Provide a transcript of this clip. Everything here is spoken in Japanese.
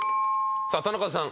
さあ田中さん。